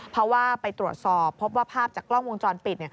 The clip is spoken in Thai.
เพราะว่าไปตรวจสอบพบว่าภาพจากกล้องวงจรปิด